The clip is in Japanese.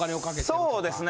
そうですね